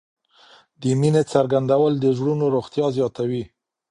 د مینې څرګندول د زړونو روغتیا زیاتوي.